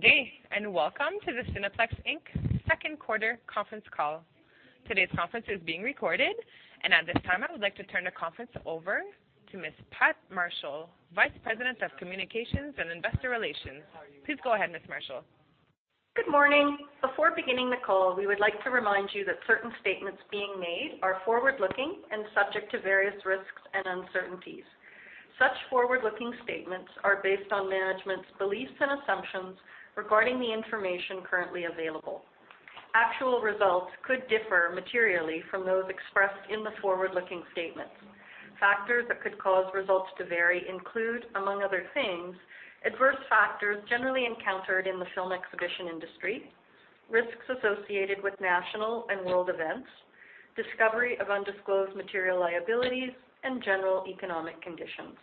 Good day, and welcome to the Cineplex Inc.'s second quarter conference call. Today's conference is being recorded, and at this time, I would like to turn the conference over to Ms. Pat Marshall, vice president of communications and investor relations. Please go ahead, Ms. Marshall. Good morning. Before beginning the call, we would like to remind you that certain statements being made are forward-looking and subject to various risks and uncertainties. Such forward-looking statements are based on management's beliefs and assumptions regarding the information currently available. Actual results could differ materially from those expressed in the forward-looking statements. Factors that could cause results to vary include, among other things, adverse factors generally encountered in the film exhibition industry, risks associated with national and world events, discovery of undisclosed material liabilities, and general economic conditions.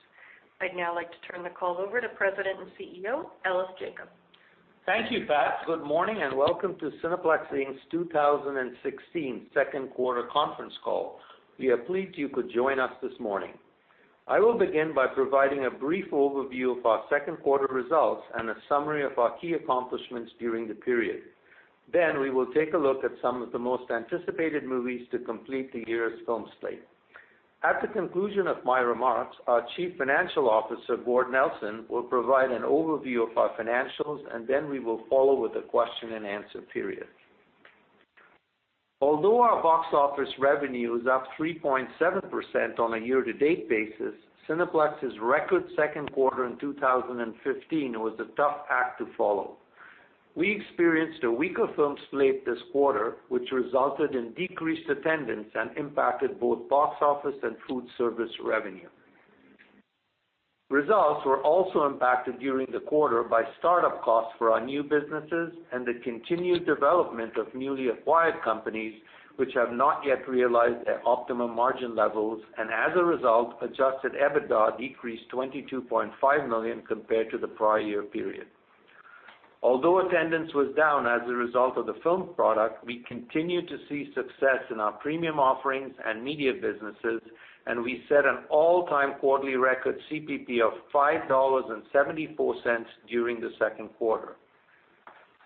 I'd now like to turn the call over to President and CEO, Ellis Jacob. Thank you, Pat. Good morning, and welcome to Cineplex Inc.'s 2016 second quarter conference call. We are pleased you could join us this morning. We will take a look at some of the most anticipated movies to complete the year's film slate. At the conclusion of my remarks, our Chief Financial Officer, Gord Nelson, will provide an overview of our financials, and then we will follow with a question-and-answer period. Although our box office revenue is up 3.7% on a year-to-date basis, Cineplex's record second quarter in 2015 was a tough act to follow. We experienced a weaker film slate this quarter, which resulted in decreased attendance and impacted both box office and food service revenue. Results were also impacted during the quarter by start-up costs for our new businesses and the continued development of newly acquired companies which have not yet realized their optimum margin levels, and as a result, adjusted EBITDA decreased 22.5 million compared to the prior year period. Although attendance was down as a result of the film product, we continue to see success in our premium offerings and media businesses, and we set an all-time quarterly record CPP of 5.74 dollars during the second quarter.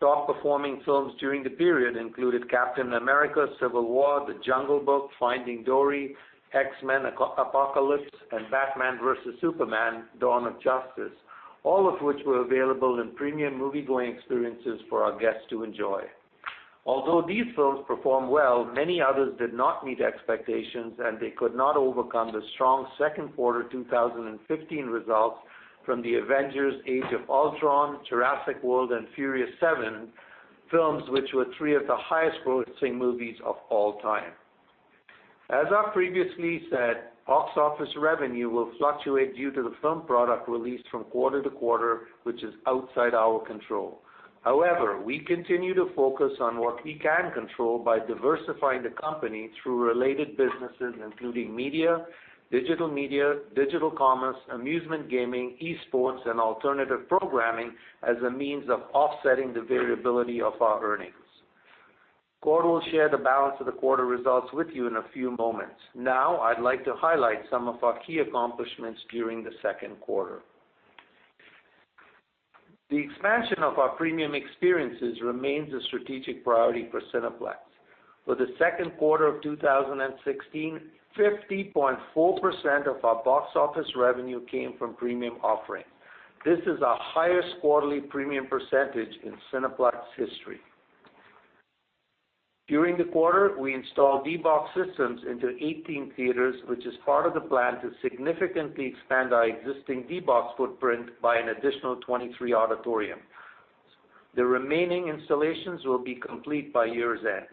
Top-performing films during the period included "Captain America: Civil War," "The Jungle Book," "Finding Dory," "X-Men: Apocalypse," and "Batman v Superman: Dawn of Justice," all of which were available in premium movie-going experiences for our guests to enjoy. Although these films performed well, many others did not meet expectations. They could not overcome the strong second quarter 2015 results from the "Avengers: Age of Ultron," "Jurassic World," and "Furious 7," films which were three of the highest-grossing movies of all time. As I previously said, box office revenue will fluctuate due to the film product released from quarter to quarter, which is outside our control. However, we continue to focus on what we can control by diversifying the company through related businesses including media, digital media, digital commerce, amusement gaming, eSports, and alternative programming as a means of offsetting the variability of our earnings. Gord will share the balance of the quarter results with you in a few moments. Now, I'd like to highlight some of our key accomplishments during the second quarter. The expansion of our premium experiences remains a strategic priority for Cineplex. For the second quarter of 2016, 50.4% of our box office revenue came from premium offerings. This is our highest quarterly premium percentage in Cineplex history. During the quarter, we installed D-BOX systems into 18 theaters, which is part of the plan to significantly expand our existing D-BOX footprint by an additional 23 auditoriums. The remaining installations will be complete by year's end.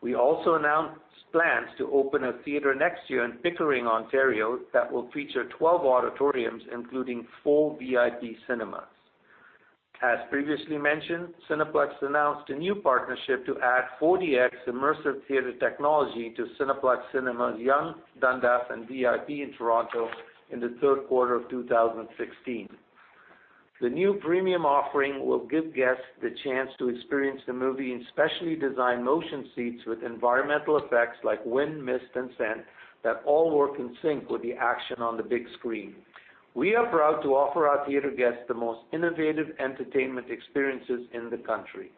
We also announced plans to open a theater next year in Pickering, Ontario, that will feature 12 auditoriums, including four VIP Cinemas. As previously mentioned, Cineplex announced a new partnership to add 4DX immersive theater technology to Cineplex Cinemas Yonge, Dundas, and VIP in Toronto in the third quarter of 2016. The new premium offering will give guests the chance to experience the movie in specially designed motion seats with environmental effects like wind, mist, and scent that all work in sync with the action on the big screen. We are proud to offer our theater guests the most innovative entertainment experiences in the country.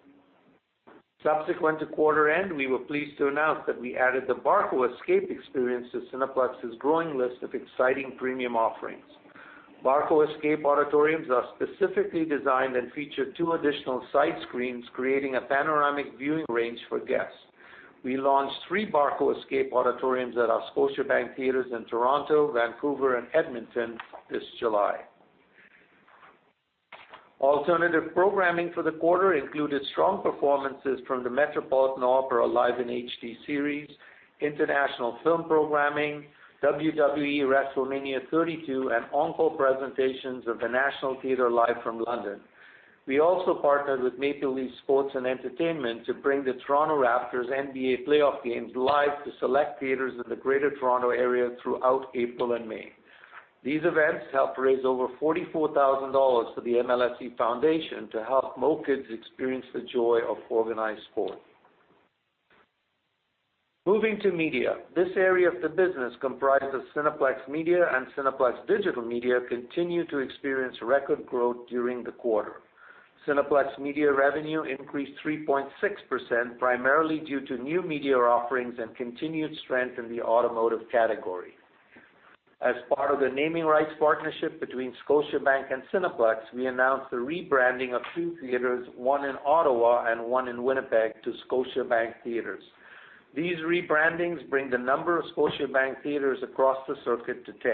Subsequent to quarter end, we were pleased to announce that we added the Barco Escape experience to Cineplex's growing list of exciting premium offerings. Barco Escape auditoriums are specifically designed and feature two additional side screens, creating a panoramic viewing range for guests. We launched three Barco Escape auditoriums at our Scotiabank Theatres in Toronto, Vancouver, and Edmonton this July. Alternative programming for the quarter included strong performances from the Metropolitan Opera Live in HD series, international film programming, WWE WrestleMania 32, and encore presentations of the National Theatre Live from London. We also partnered with Maple Leaf Sports & Entertainment to bring the Toronto Raptors NBA playoff games live to select theaters in the Greater Toronto Area throughout April and May. These events helped raise over 44,000 dollars for the MLSE Foundation to help more kids experience the joy of organized sport. Moving to media. This area of the business, comprised of Cineplex Media and Cineplex Digital Media, continued to experience record growth during the quarter. Cineplex Media revenue increased 3.6%, primarily due to new media offerings and continued strength in the automotive category. As part of the naming rights partnership between Scotiabank and Cineplex, we announced the rebranding of two theaters, one in Ottawa and one in Winnipeg, to Scotiabank Theatres. These rebrandings bring the number of Scotiabank Theatres across the circuit to 10.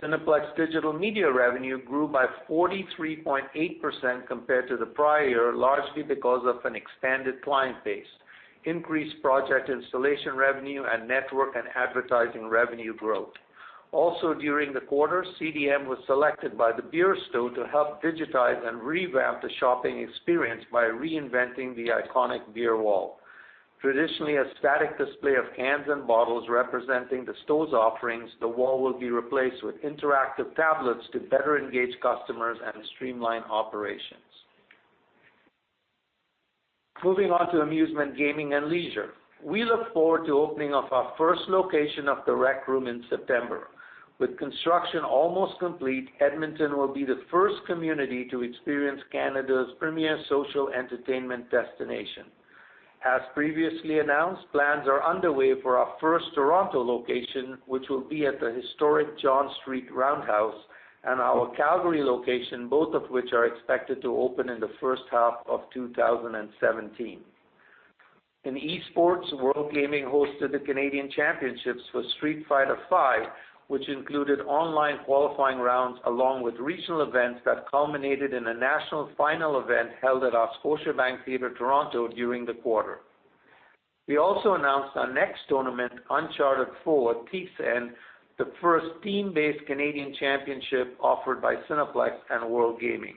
Cineplex Digital Media revenue grew by 43.8% compared to the prior year, largely because of an expanded client base, increased project installation revenue, and network and advertising revenue growth. Also during the quarter, CDM was selected by The Beer Store to help digitize and revamp the shopping experience by reinventing the iconic beer wall. Traditionally a static display of cans and bottles representing the store's offerings, the wall will be replaced with interactive tablets to better engage customers and streamline operations. Moving on to amusement, gaming, and leisure. We look forward to opening up our first location of The Rec Room in September. With construction almost complete, Edmonton will be the first community to experience Canada's premier social entertainment destination. As previously announced, plans are underway for our first Toronto location, which will be at the historic John Street Roundhouse, and our Calgary location, both of which are expected to open in the first half of 2017. In eSports, WorldGaming hosted the Canadian championships for Street Fighter V, which included online qualifying rounds along with regional events that culminated in a national final event held at our Scotiabank Theatre Toronto during the quarter. We also announced our next tournament, Uncharted 4: Thief's End, the first team-based Canadian championship offered by Cineplex and WorldGaming.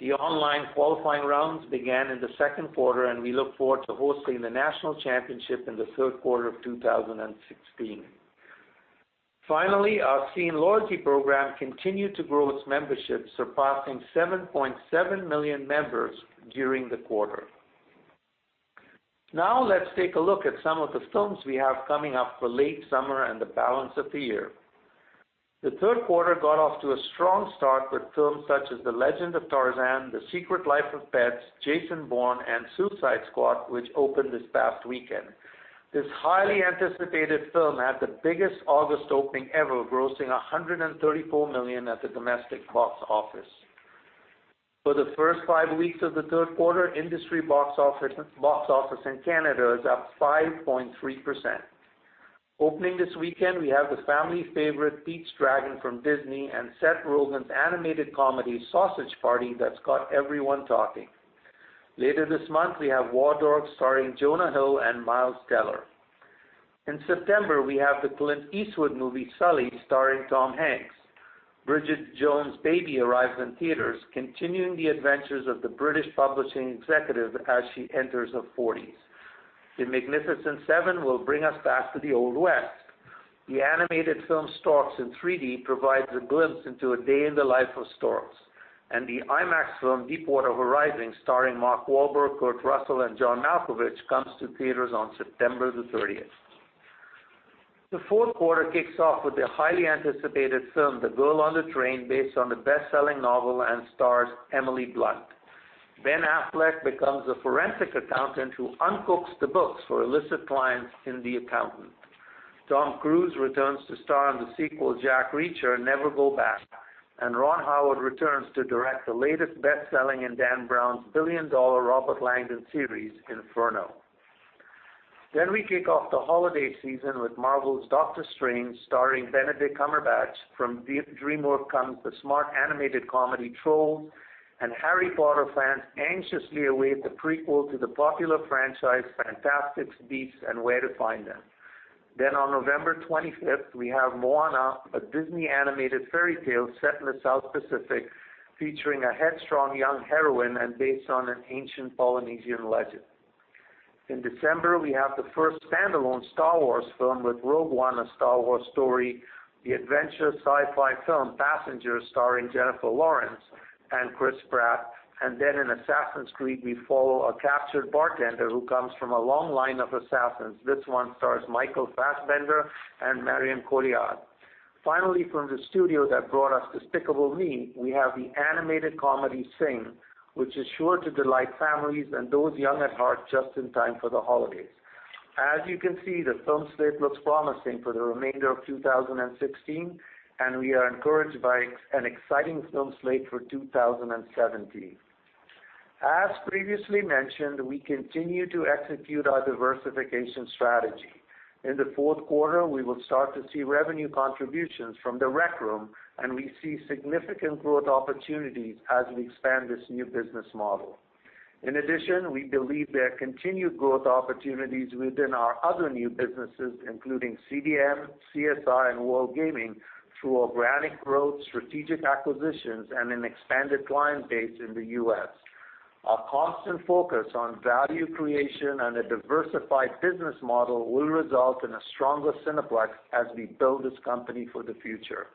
The online qualifying rounds began in the second quarter, we look forward to hosting the national championship in the third quarter of 2016. Finally, our SCENE loyalty program continued to grow its membership, surpassing 7.7 million members during the quarter. Now let's take a look at some of the films we have coming up for late summer and the balance of the year. The third quarter got off to a strong start with films such as "The Legend of Tarzan," "The Secret Life of Pets," "Jason Bourne," and "Suicide Squad," which opened this past weekend. This highly anticipated film had the biggest August opening ever, grossing 134 million at the domestic box office. For the first five weeks of the third quarter, industry box office in Canada is up 5.3%. Opening this weekend, we have the family favorite, "Pete's Dragon" from Disney, Seth Rogen's animated comedy, "Sausage Party," that's got everyone talking. Later this month, we have "War Dogs" starring Jonah Hill and Miles Teller. In September, we have the Clint Eastwood movie, "Sully," starring Tom Hanks. Bridget Jones's Baby" arrives in theaters, continuing the adventures of the British publishing executive as she enters her 40s. "The Magnificent Seven" will bring us back to the Old West. The animated film, "Storks" in 3D, provides a glimpse into a day in the life of storks. The IMAX film, "Deepwater Horizon," starring Mark Wahlberg, Kurt Russell, and John Malkovich, comes to theaters on September the 30th. The fourth quarter kicks off with the highly anticipated film, "The Girl on the Train," based on the best-selling novel and stars Emily Blunt. Ben Affleck becomes a forensic accountant who uncooks the books for illicit clients in "The Accountant." Tom Cruise returns to star in the sequel, "Jack Reacher: Never Go Back." Ron Howard returns to direct the latest best-selling in Dan Brown's billion-dollar Robert Langdon series, "Inferno." We kick off the holiday season with Marvel's "Doctor Strange," starring Benedict Cumberbatch. From DreamWorks comes the smart animated comedy, "Trolls." Harry Potter fans anxiously await the prequel to the popular franchise, "Fantastic Beasts and Where to Find Them." On November 25th, we have "Moana," a Disney animated fairy tale set in the South Pacific, featuring a headstrong young heroine and based on an ancient Polynesian legend. In December, we have the first standalone Star Wars film with "Rogue One: A Star Wars Story," the adventure sci-fi film, "Passengers," starring Jennifer Lawrence and Chris Pratt. In "Assassin's Creed," we follow a captured bartender who comes from a long line of assassins. This one stars Michael Fassbender and Marion Cotillard. Finally, from the studio that brought us "Despicable Me," we have the animated comedy, "Sing," which is sure to delight families and those young at heart just in time for the holidays. As you can see, the film slate looks promising for the remainder of 2016, and we are encouraged by an exciting film slate for 2017. As previously mentioned, we continue to execute our diversification strategy. In the fourth quarter, we will start to see revenue contributions from The Rec Room, and we see significant growth opportunities as we expand this new business model. In addition, we believe there are continued growth opportunities within our other new businesses, including CDM, CSI, and WorldGaming, through organic growth, strategic acquisitions, and an expanded client base in the U.S. Our constant focus on value creation and a diversified business model will result in a stronger Cineplex as we build this company for the future.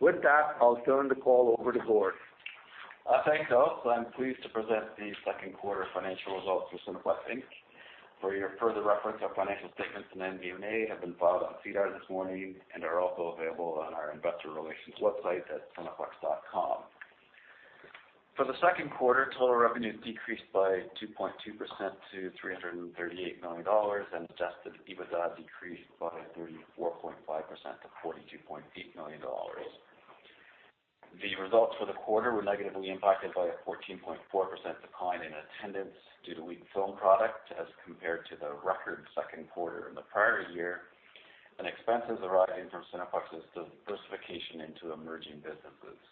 With that, I'll turn the call over to Gord. Thanks, Ellis. I'm pleased to present the second quarter financial results for Cineplex Inc. For your further reference, our financial statements and MD&A have been filed on SEDAR this morning and are also available on our investor relations website at cineplex.com. For the second quarter, total revenues decreased by 2.2% to 338 million dollars and adjusted EBITDA decreased by 34.5% to 42.8 million dollars. The results for the quarter were negatively impacted by a 14.4% decline in attendance due to weak film product as compared to the record second quarter in the prior year, and expenses arising from Cineplex's diversification into emerging businesses.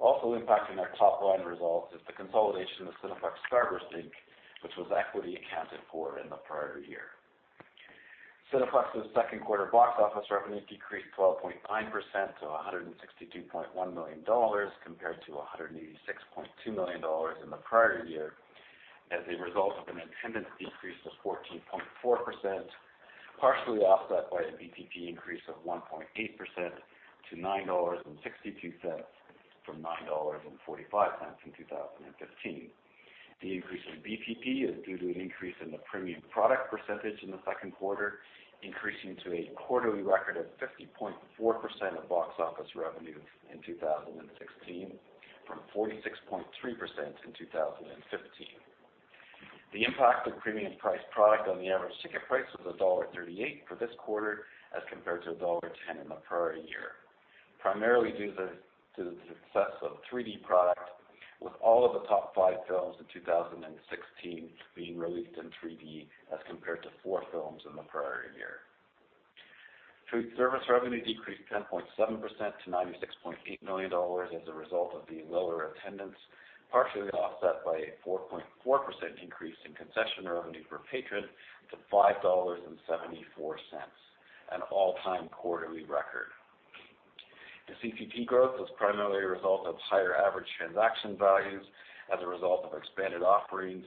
Also impacting our top-line results is the consolidation of Cineplex Starburst Inc., which was equity accounted for in the prior year. Cineplex's second quarter box office revenue decreased 12.9% to 162.1 million dollars, compared to 186.2 million dollars in the prior year as a result of an attendance decrease of 14.4%, partially offset by a VPP increase of 1.8% to 9.62 dollars from 9.45 dollars in 2015. The increase in VPP is due to an increase in the premium product percentage in the second quarter, increasing to a quarterly record of 50.4% of box office revenue in 2016 from 46.3% in 2015. The impact of premium priced product on the average ticket price was dollar 1.38 for this quarter as compared to dollar 1.10 in the prior year, primarily due to the success of 3D product with all of the top five films in 2016 being released in 3D as compared to four films in the prior year. Food service revenue decreased 10.7% to 96.8 million dollars as a result of the lower attendance, partially offset by a 4.4% increase in CPP to 5.74 dollars, an all-time quarterly record. The CPP growth was primarily a result of higher average transaction values as a result of expanded offerings,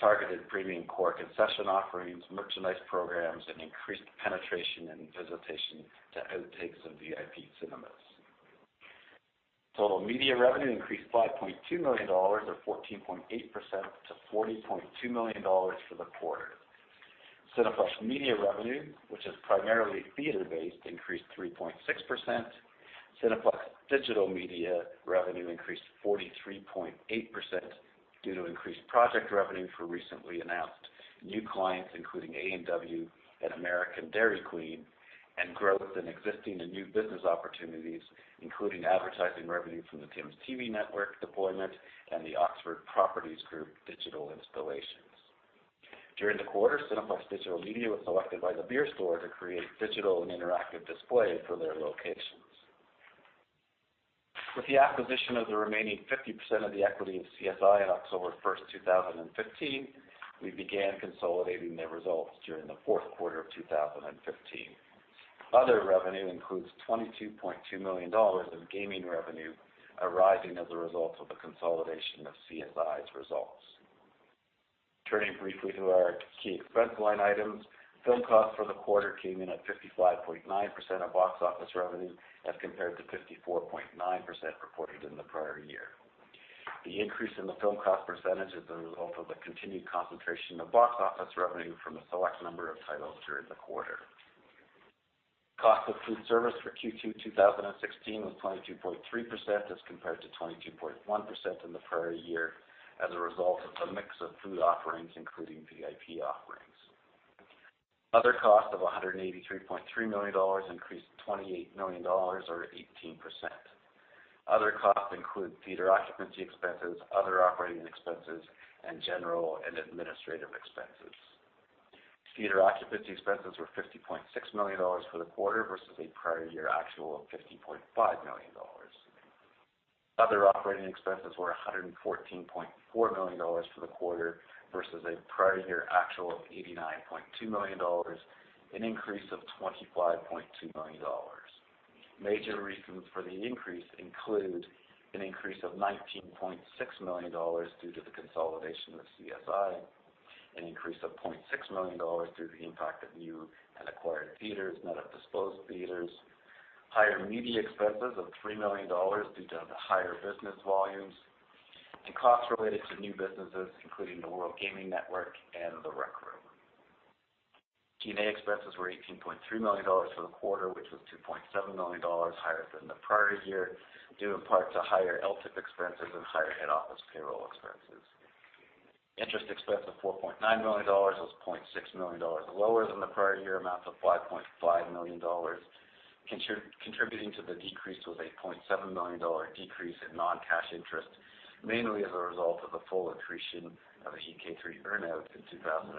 targeted premium core concession offerings, merchandise programs, and increased penetration and visitation to Outtakes and VIP Cinemas. Total media revenue increased 5.2 million dollars or 14.8% to 40.2 million dollars for the quarter. Cineplex Media revenue, which is primarily theater-based, increased 3.6%. Cineplex Digital Media revenue increased 43.8% due to increased project revenue for recently announced new clients, including A&W and American Dairy Queen, and growth in existing and new business opportunities, including advertising revenue from the Tims TV network deployment and the Oxford Properties Group digital installations. During the quarter, Cineplex Digital Media was selected by The Beer Store to create digital and interactive displays for their locations. With the acquisition of the remaining 50% of the equity of CSI on October 1st, 2015, we began consolidating their results during the fourth quarter of 2015. Other revenue includes 22.2 million dollars in gaming revenue arising as a result of the consolidation of CSI's results. Turning briefly to our key expense line items. Film cost for the quarter came in at 55.9% of box office revenue as compared to 54.9% reported in the prior year. The increase in the film cost percentage is a result of the continued concentration of box office revenue from a select number of titles during the quarter. Cost of food service for Q2 2016 was 22.3% as compared to 22.1% in the prior year as a result of the mix of food offerings, including VIP offerings. Other costs of 183.3 million dollars increased 28 million dollars or 18%. Other costs include theater occupancy expenses, other operating expenses, and general and administrative expenses. Theater occupancy expenses were 50.6 million dollars for the quarter versus a prior year actual of 50.5 million dollars. Other operating expenses were 114.4 million dollars for the quarter versus a prior year actual of 89.2 million dollars, an increase of 25.2 million dollars. Major reasons for the increase include an increase of 19.6 million dollars due to the consolidation of CSI, an increase of 0.6 million dollars through the impact of new and acquired theaters, net of disposed theaters, higher media expenses of 3 million dollars due to the higher business volumes, and costs related to new businesses, including the WorldGaming Network and The Rec Room. G&A expenses were 18.3 million dollars for the quarter, which was 2.7 million dollars higher than the prior year, due in part to higher LTIP expenses and higher head office payroll expenses. Interest expense of 4.9 million dollars was 0.6 million dollars lower than the prior year amount of 5.5 million dollars. Contributing to the decrease was a 0.7 million dollar decrease in non-cash interest, mainly as a result of the full accretion of a EK3 earn-out in 2015,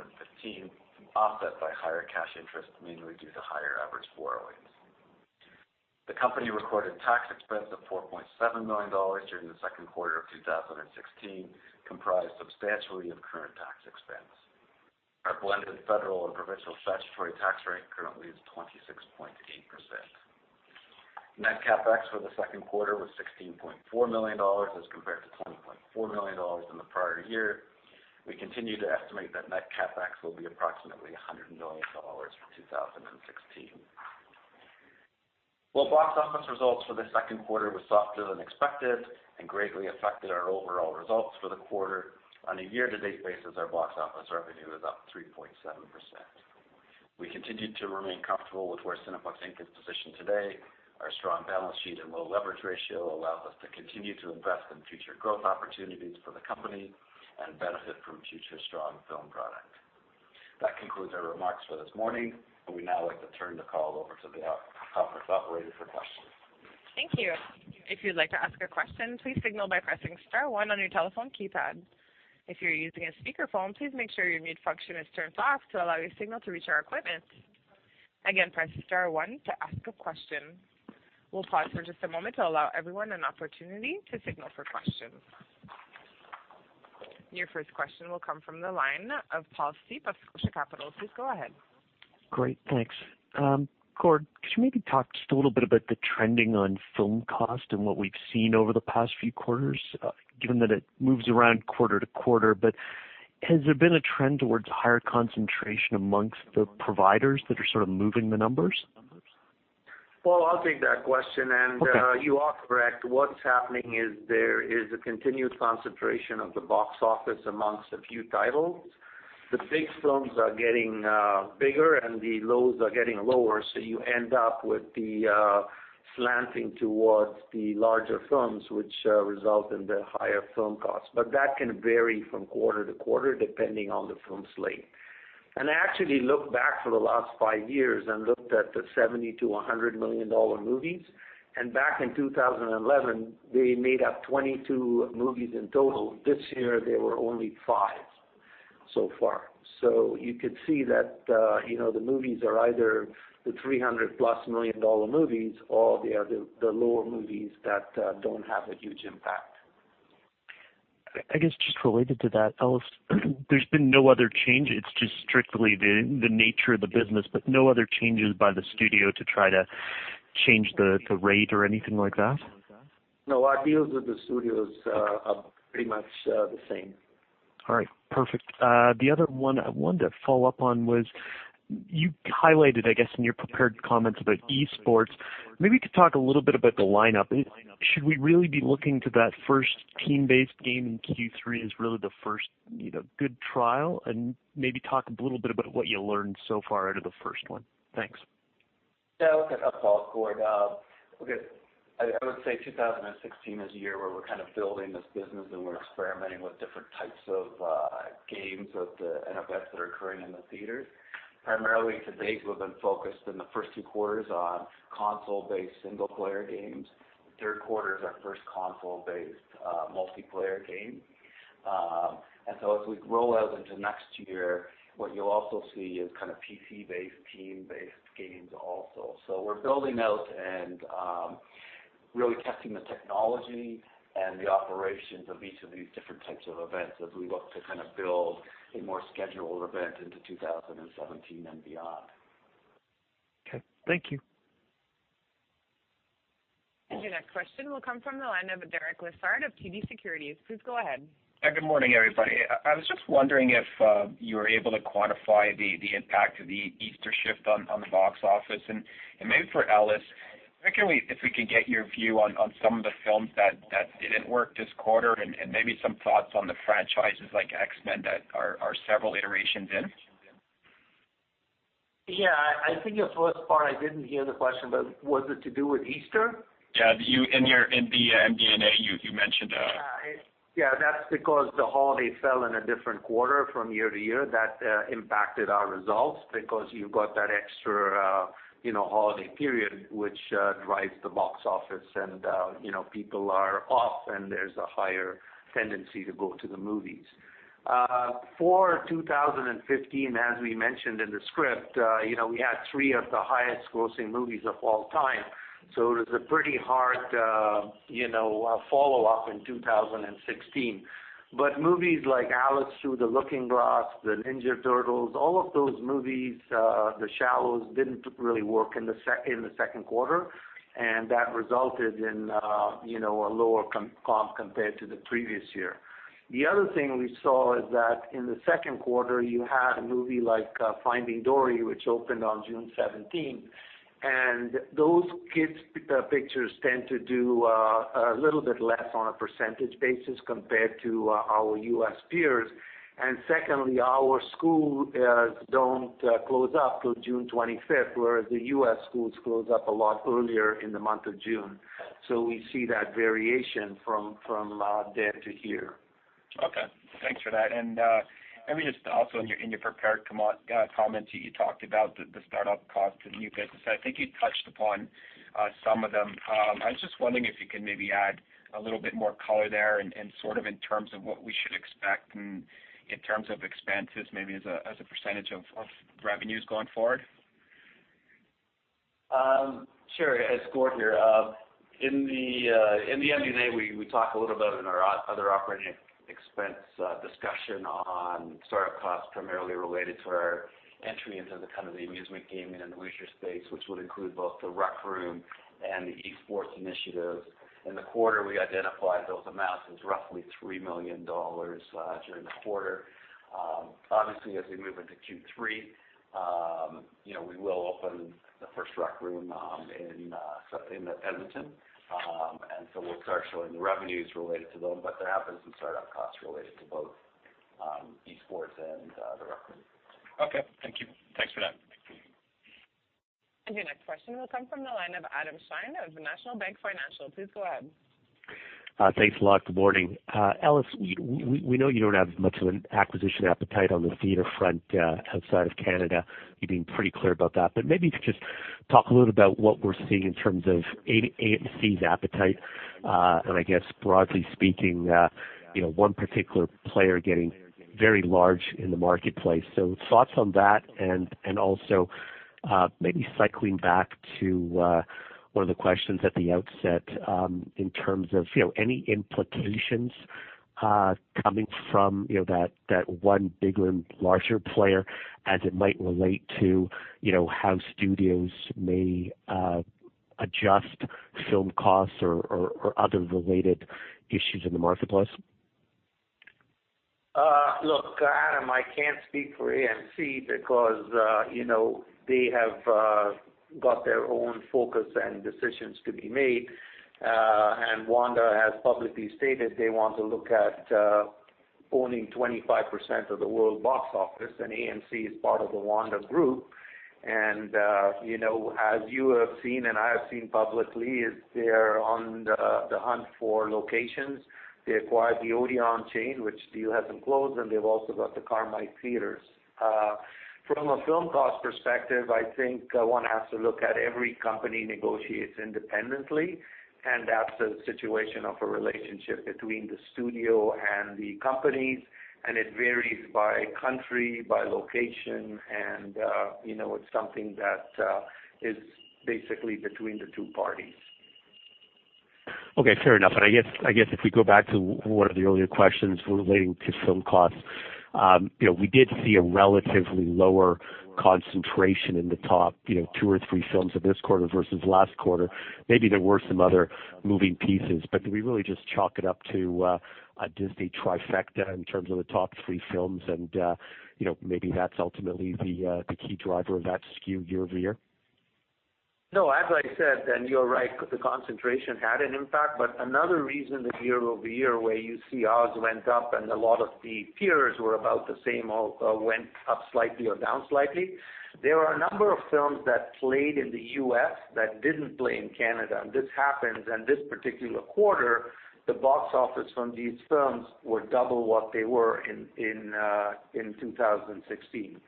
offset by higher cash interest, mainly due to higher average borrowings. The company recorded tax expense of 4.7 million dollars during the second quarter of 2016, comprised substantially of current tax expense. Our blended federal and provincial statutory tax rate currently is 26.8%. Net CapEx for the second quarter was 16.4 million dollars as compared to 20.4 million dollars in the prior year. We continue to estimate that net CapEx will be approximately 100 million dollars for 2016. Box office results for the second quarter were softer than expected and greatly affected our overall results for the quarter. On a year-to-date basis, our box office revenue is up 3.7%. We continue to remain comfortable with where Cineplex Inc. is positioned today. Our strong balance sheet and low leverage ratio allows us to continue to invest in future growth opportunities for the company and benefit from future strong film product. That concludes our remarks for this morning. We'd now like to turn the call over to the operator for questions. Thank you. If you'd like to ask a question, please signal by pressing star 1 on your telephone keypad. If you're using a speakerphone, please make sure your mute function is turned off to allow your signal to reach our equipment. Again, press star 1 to ask a question. We'll pause for just a moment to allow everyone an opportunity to signal for questions. Your first question will come from the line of Paul Steep of Scotia Capital. Please go ahead. Great. Thanks. Gord, could you maybe talk just a little bit about the trending on film cost and what we've seen over the past few quarters, given that it moves around quarter to quarter? Has there been a trend towards higher concentration amongst the providers that are sort of moving the numbers? Paul, I'll take that question. Okay. You are correct. What's happening is there is a continued concentration of the box office amongst a few titles. The big films are getting bigger and the lows are getting lower, so you end up with the slanting towards the larger films, which result in the higher film costs. That can vary from quarter to quarter, depending on the film slate. I actually looked back for the last five years and looked at the 70 million-100 million dollar movies, and back in 2011, they made up 22 movies in total. This year, there were only five so far. So you could see that the movies are either the 300-plus million dollar movies or they are the lower movies that don't have a huge impact. I guess just related to that, Ellis, there's been no other change. It's just strictly the nature of the business, but no other changes by the studio to try to change the rate or anything like that? No, our deals with the studios are pretty much the same. All right, perfect. The other one I wanted to follow up on was you highlighted, I guess, in your prepared comments about eSports. Maybe you could talk a little bit about the lineup. Should we really be looking to that first team-based game in Q3 as really the first good trial? And maybe talk a little bit about what you learned so far out of the first one. Thanks. Yeah. Okay. I'll follow Gord up. Okay. I would say 2016 is a year where we're kind of building this business, and we're experimenting with different types of games with the events that are occurring in the theaters. Primarily to date, we've been focused in the first two quarters on console-based single-player games. Third quarter is our first console-based multiplayer game. As we roll out into next year, what you'll also see is PC-based, team-based games also. We're building out and really testing the technology and the operations of each of these different types of events as we look to build a more scheduled event into 2017 and beyond. Okay. Thank you. Your next question will come from the line of Derek Lessard of TD Securities. Please go ahead. Good morning, everybody. I was just wondering if you were able to quantify the impact of the Easter shift on the box office. Maybe for Ellis, particularly if we could get your view on some of the films that didn't work this quarter and maybe some thoughts on the franchises like "X-Men" that are several iterations in. Yeah, I think the first part I didn't hear the question, but was it to do with Easter? Yeah. In the MD&A, you mentioned Yeah, that's because the holiday fell in a different quarter from year to year. That impacted our results because you got that extra holiday period which drives the box office, and people are off, and there's a higher tendency to go to the movies. For 2015, as we mentioned in the script, we had three of the highest-grossing movies of all time, so it was a pretty hard follow-up in 2016. Movies like "Alice Through the Looking Glass," "The Ninja Turtles," all of those movies, "The Shallows" didn't really work in the second quarter, and that resulted in a lower comp compared to the previous year. The other thing we saw is that in the second quarter, you had a movie like "Finding Dory" which opened on June 17th, and those kids' pictures tend to do a little bit less on a percentage basis compared to our U.S. peers. Secondly, our schools don't close up till June 25th, whereas the U.S. schools close up a lot earlier in the month of June. We see that variation from there to here. Okay. Thanks for that. Maybe just also in your prepared comments, you talked about the startup costs of the new business. I think you touched upon some of them. I was just wondering if you could maybe add a little bit more color there and sort of in terms of what we should expect in terms of expenses, maybe as a percentage of revenues going forward. Sure. It's Gord here. In the MD&A, we talk a little bit in our other operating expense discussion on startup costs primarily related to our entry into the kind of the amusement gaming and leisure space, which would include both The Rec Room sports initiatives. In the quarter, we identified those amounts as roughly 3 million dollars during the quarter. Obviously, as we move into Q3, we will open the first The Rec Room in Edmonton. So we'll start showing the revenues related to those, but there have been some startup costs related to both eSports and The Rec Room. Okay. Thank you. Thanks for that. Your next question will come from the line of Adam Shine of National Bank Financial. Please go ahead. Thanks a lot. Good morning. Ellis, we know you don't have much of an acquisition appetite on the theater front outside of Canada. You've been pretty clear about that, but maybe if you could just talk a little about what we're seeing in terms of AMC's appetite, and I guess broadly speaking one particular player getting very large in the marketplace. Thoughts on that and also maybe cycling back to one of the questions at the outset in terms of any implications coming from that one bigger and larger player as it might relate to how studios may adjust film costs or other related issues in the marketplace. Look, Adam, I can't speak for AMC because they have got their own focus and decisions to be made. Wanda has publicly stated they want to look at owning 25% of the world box office, and AMC is part of the Wanda Group. As you have seen and I have seen publicly, they're on the hunt for locations. They acquired the ODEON chain, which deal hasn't closed, and they've also got the Carmike theaters. From a film cost perspective, I think one has to look at every company negotiates independently, and that's a situation of a relationship between the studio and the companies, and it varies by country, by location, and it's something that is basically between the two parties. Okay. Fair enough. I guess if we go back to one of the earlier questions relating to film costs. We did see a relatively lower concentration in the top two or three films of this quarter versus last quarter. Maybe there were some other moving pieces, but do we really just chalk it up to a Disney trifecta in terms of the top three films and maybe that's ultimately the key driver of that skew year-over-year? No, as I said, and you're right, the concentration had an impact. Another reason the year-over-year, where you see ours went up and a lot of the peers were about the same or went up slightly or down slightly. There are a number of films that played in the U.S. that didn't play in Canada, and this happens. This particular quarter, the box office from these films were double what they were in 2016.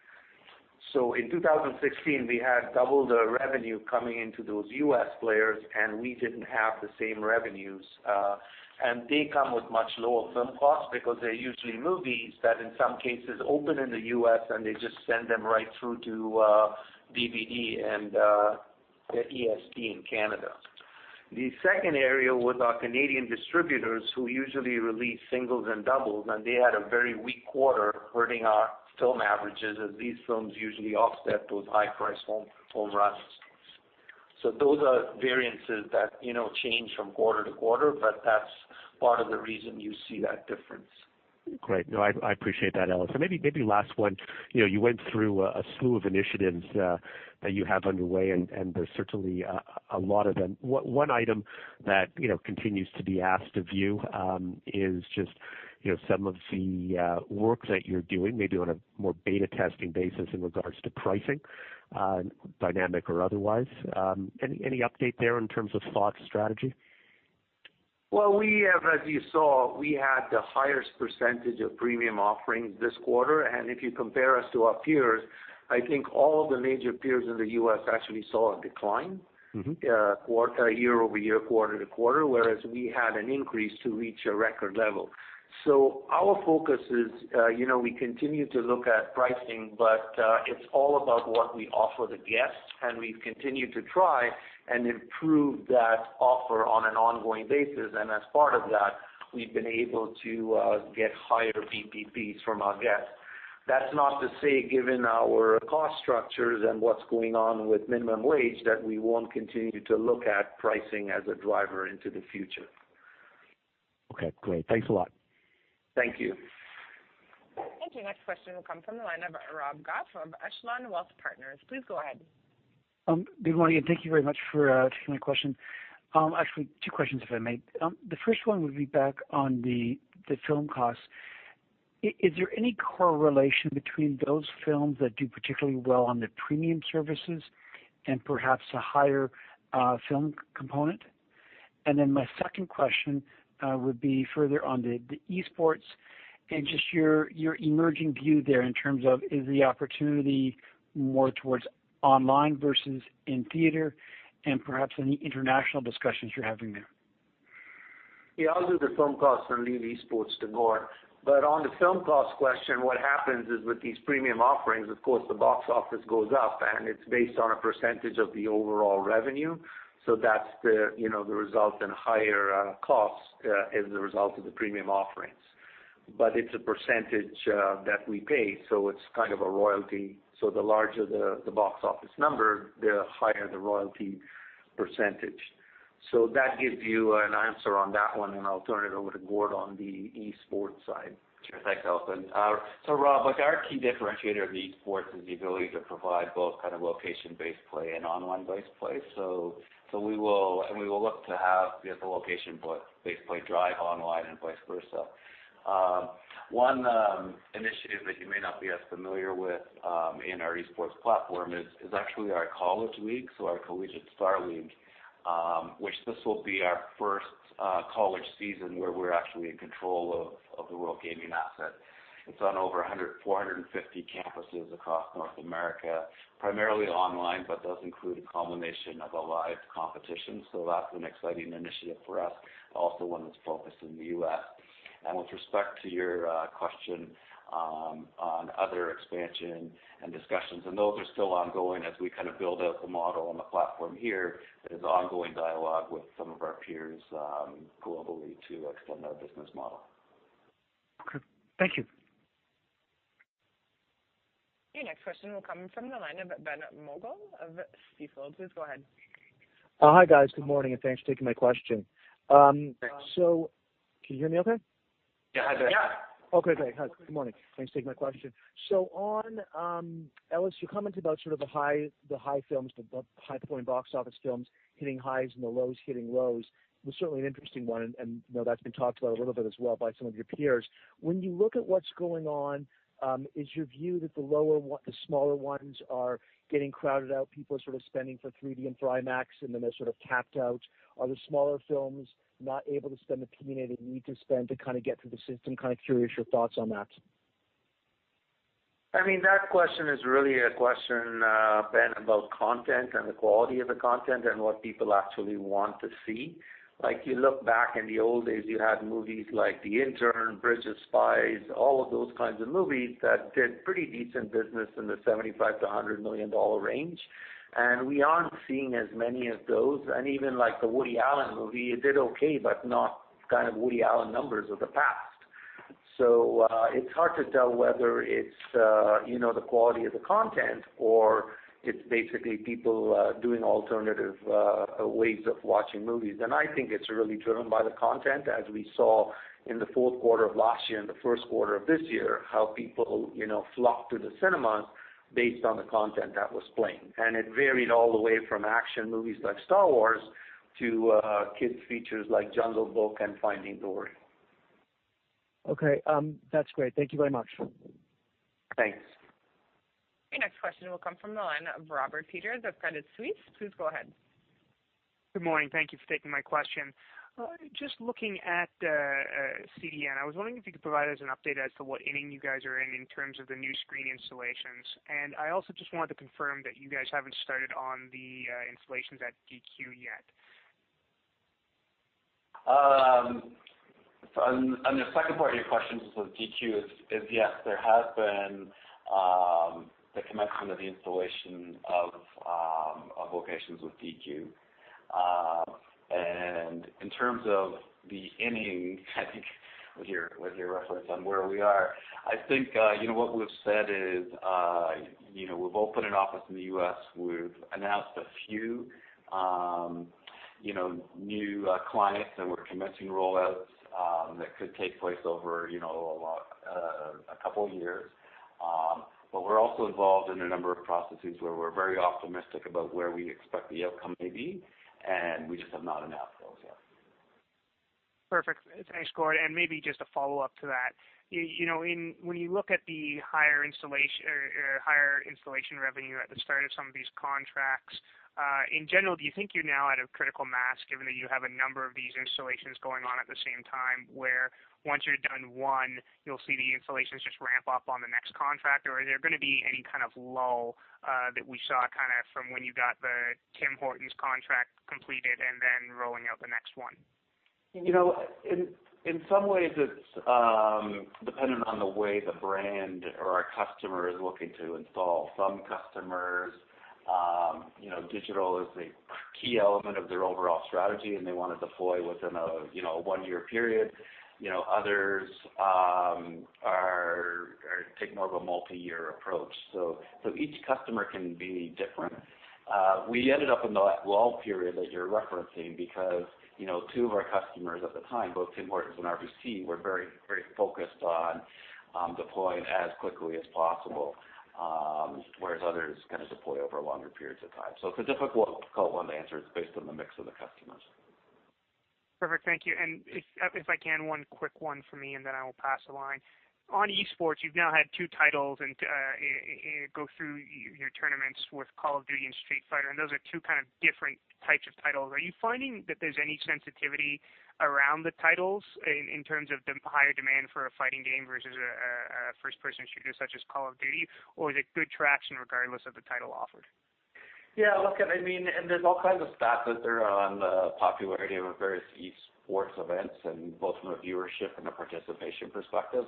In 2016, we had double the revenue coming into those U.S. players, and we didn't have the same revenues. They come with much lower film costs because they're usually movies that in some cases open in the U.S. and they just send them right through to VOD and EST in Canada. The second area was our Canadian distributors who usually release singles and doubles, and they had a very weak quarter hurting our film averages as these films usually offset those high-priced home runs. Those are variances that change from quarter to quarter, but that's part of the reason you see that difference. Great. No, I appreciate that, Ellis. Maybe last one. You went through a slew of initiatives that you have underway, there's certainly a lot of them. One item that continues to be asked of you is just some of the work that you're doing, maybe on a more beta testing basis in regards to pricing, dynamic or otherwise. Any update there in terms of thought to strategy? Well, as you saw, we had the highest % of premium offerings this quarter. If you compare us to our peers, I think all of the major peers in the U.S. actually saw a decline year-over-year, quarter-to-quarter, whereas we had an increase to reach a record level. Our focus is we continue to look at pricing, but it's all about what we offer the guests, we've continued to try and improve that offer on an ongoing basis. As part of that, we've been able to get higher VPPs from our guests. That's not to say, given our cost structures and what's going on with minimum wage, that we won't continue to look at pricing as a driver into the future. Okay, great. Thanks a lot. Thank you. Your next question will come from the line of Rob Goff of Echelon Wealth Partners. Please go ahead. Good morning, and thank you very much for taking my question. Actually two questions, if I may. The first one would be back on the film costs. Is there any correlation between those films that do particularly well on the premium services and perhaps a higher film component? My second question would be further on the eSports and just your emerging view there in terms of, is the opportunity more towards online versus in theater and perhaps any international discussions you're having there? Yeah, I'll do the film costs and leave eSports to Gord. On the film cost question, what happens is with these premium offerings, of course, the box office goes up and it's based on a percentage of the overall revenue. That's the result in higher costs as a result of the premium offerings. It's a percentage that we pay, so it's kind of a royalty. The larger the box office number, the higher the royalty percentage. That gives you an answer on that one, and I'll turn it over to Gord on the eSports side. Sure. Thanks, Ellis. Rob, look, our key differentiator of eSports is the ability to provide both location-based play and online-based play. We will look to have the location-based play drive online and vice versa. One initiative that you may not be as familiar with in our eSports platform is actually our college league, so our Collegiate StarLeague, which this will be our first college season where we're actually in control of the WorldGaming asset. It's on over 450 campuses across North America, primarily online, but does include a combination of a live competition. That's an exciting initiative for us, also one that's focused in the U.S. With respect to your question on other expansion and discussions, those are still ongoing as we build out the model and the platform here, there's ongoing dialogue with some of our peers globally to extend our business model. Okay. Thank you. Your next question will come from the line of Ben Mogil of Stifel. Please go ahead. Hi, guys. Good morning. Thanks for taking my question. Thanks. Can you hear me okay? Yeah. Hi, Ben. Yeah. Okay, great. Good morning. Thanks for taking my question. Ellis, your comment about sort of the high films, the high performing box office films hitting highs and the lows hitting lows was certainly an interesting one, and I know that's been talked about a little bit as well by some of your peers. When you look at what's going on, is your view that the smaller ones are getting crowded out, people are sort of spending for 3D and for IMAX, and then they're sort of tapped out? Are the smaller films not able to spend the penny they need to spend to kind of get through the system? Curious your thoughts on that. That question is really a question, Ben, about content and the quality of the content and what people actually want to see. You look back in the old days, you had movies like "The Intern," "Bridge of Spies," all of those kinds of movies that did pretty decent business in the 75 million-100 million dollar range. We aren't seeing as many of those. Even the Woody Allen movie, it did okay, but not kind of Woody Allen numbers of the past. It's hard to tell whether it's the quality of the content or it's basically people doing alternative ways of watching movies. I think it's really driven by the content, as we saw in the fourth quarter of last year and the first quarter of this year, how people flocked to the cinemas based on the content that was playing. It varied all the way from action movies like "Star Wars" to kids features like "Jungle Book" and "Finding Dory. Okay. That's great. Thank you very much. Thanks. Your next question will come from the line of Robert Peters of Credit Suisse. Please go ahead. Good morning. Thank you for taking my question. Just looking at CDM, I was wondering if you could provide us an update as to what inning you guys are in terms of the new screen installations. I also just wanted to confirm that you guys haven't started on the installations at DQ yet. On the second part of your question with DQ is yes, there has been the commencement of the installation of locations with DQ. In terms of the inning, I think with your reference on where we are, I think what we've said is we've opened an office in the U.S. We've announced a few new clients that we're commencing rollouts that could take place over a couple of years. We're also involved in a number of processes where we're very optimistic about where we expect the outcome may be, and we just have not announced those yet. Perfect. Thanks, Gord. Maybe just a follow-up to that. When you look at the higher installation revenue at the start of some of these contracts, in general, do you think you're now at a critical mass, given that you have a number of these installations going on at the same time, where once you're done one, you'll see the installations just ramp up on the next contract? Or are there going to be any kind of lull that we saw from when you got the Tim Hortons contract completed and then rolling out the next one? In some ways, it's dependent on the way the brand or our customer is looking to install. Some customers, digital is a key element of their overall strategy, and they want to deploy within a one-year period. Others take more of a multi-year approach. Each customer can be different. We ended up in that lull period that you're referencing because two of our customers at the time, both Tim Hortons and RBC, were very focused on deploying as quickly as possible, whereas others kind of deploy over longer periods of time. It's a difficult one to answer. It's based on the mix of the customers. Perfect. Thank you. If I can, one quick one for me, and then I will pass the line. On esports, you've now had two titles go through your tournaments with "Call of Duty" and "Street Fighter," and those are two kind of different types of titles. Are you finding that there's any sensitivity around the titles in terms of the higher demand for a fighting game versus a first-person shooter such as "Call of Duty?" Or is it good traction regardless of the title offered? Yeah, look, there's all kinds of stats out there on the popularity of various eSports events, both from a viewership and a participation perspective.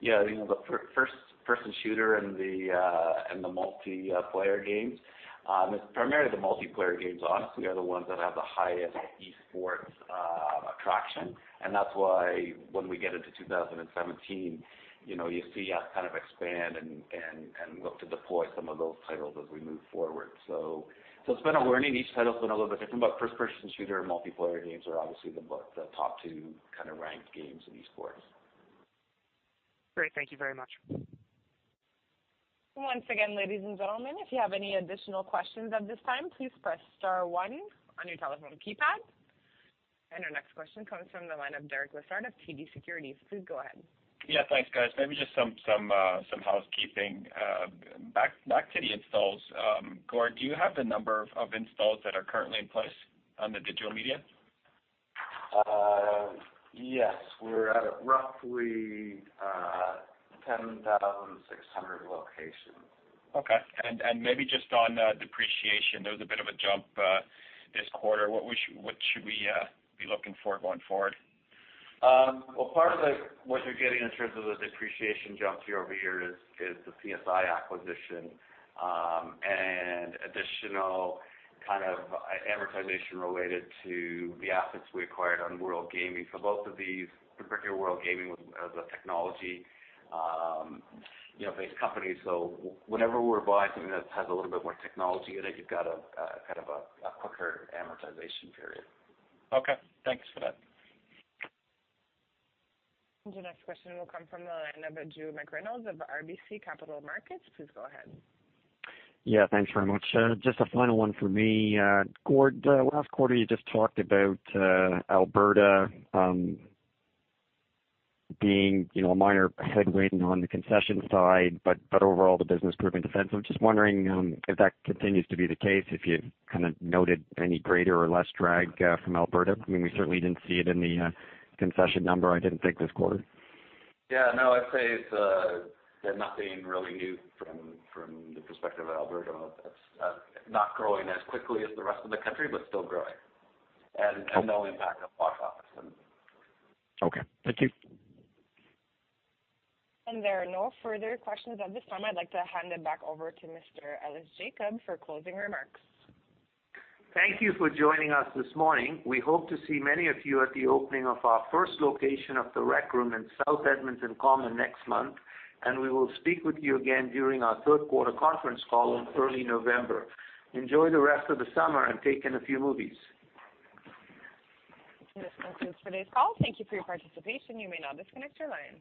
Yeah, the first-person shooter and the multiplayer games. It's primarily the multiplayer games, honestly, are the ones that have the highest eSports Traction. That's why when we get into 2017, you see us expand and look to deploy some of those titles as we move forward. It's been a learning. Each title's been a little bit different, but first-person shooter and multiplayer games are obviously the top two ranked games in eSports. Great. Thank you very much. Once again, ladies and gentlemen, if you have any additional questions at this time, please press star one on your telephone keypad. Our next question comes from the line of Derek Lessard of TD Securities. Please go ahead. Yeah, thanks, guys. Maybe just some housekeeping. Back to the installs. Gord, do you have the number of installs that are currently in place on the digital media? Yes. We're at roughly 10,600 locations. Okay. Maybe just on depreciation, there was a bit of a jump this quarter. What should we be looking for going forward? Well, part of what you're getting in terms of the depreciation jump year-over-year is the CSI acquisition, and additional kind of amortization related to the assets we acquired on WorldGaming. Both of these, in particular, WorldGaming, was a technology-based company. Whenever we're buying something that has a little bit more technology in it, you've got a quicker amortization period. Okay. Thanks for that. The next question will come from the line of Drew McReynolds of RBC Capital Markets. Please go ahead. Yeah, thanks very much. Just a final one for me. Gord, last quarter, you just talked about Alberta being a minor headwind on the concession side, but overall, the business proving defensive. Just wondering if that continues to be the case, if you've noted any greater or less drag from Alberta. We certainly didn't see it in the concession number, I didn't think, this quarter. Yeah. No, I'd say it's nothing really new from the perspective of Alberta. It's not growing as quickly as the rest of the country, but still growing, and no impact on box office. Okay. Thank you. There are no further questions at this time. I'd like to hand it back over to Mr. Ellis Jacob for closing remarks. Thank you for joining us this morning. We hope to see many of you at the opening of our first location of The Rec Room in South Edmonton Common next month. We will speak with you again during our third quarter conference call in early November. Enjoy the rest of the summer and take in a few movies. This concludes today's call. Thank you for your participation. You may now disconnect your line.